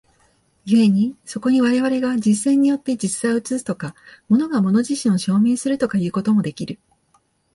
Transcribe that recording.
故にそこに我々が実践によって実在を映すとか、物が物自身を証明するとかいうこともできる。